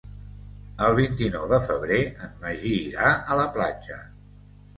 El vint-i-nou de febrer en Magí irà a la platja.